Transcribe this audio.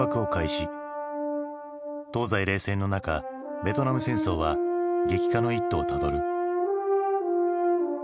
東西冷戦の中ベトナム戦争は激化の一途をたどる。